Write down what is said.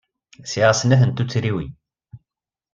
Sɛiɣ snat n tuttriwin.